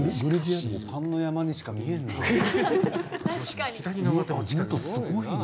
パンの山にしか見えないな。